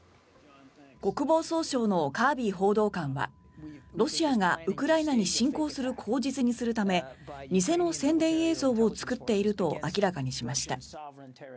国防総省のカービー報道官はロシアがウクライナに侵攻する口実にするため偽の宣伝映像を作っていると明らかにしました。